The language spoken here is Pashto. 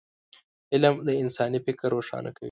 علم د انسان فکر روښانه کوي